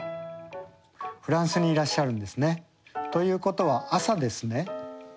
フランスにいらっしゃるんですね。ということは朝ですね？